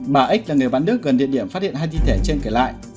bà ếch là người bán nước gần địa điểm phát hiện hai thi thể trên kể lại